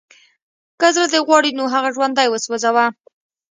که زړه دې غواړي نو هغه ژوندی وسوځوه